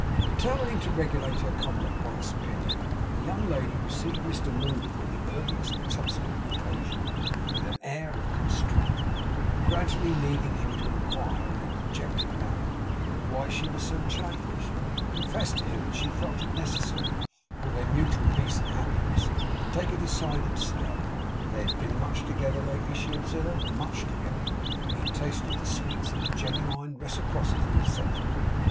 Determining to regulate her conduct by this opinion, the young lady received Mr Moddle, on the earliest subsequent occasion, with an air of constraint; and gradually leading him to inquire, in a dejected manner, why she was so changed, confessed to him that she felt it necessary for their mutual peace and happiness to take a decided step. They had been much together lately, she observed, much together, and had tasted the sweets of a genuine reciprocity of sentiment.